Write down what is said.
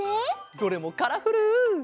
どれもカラフル。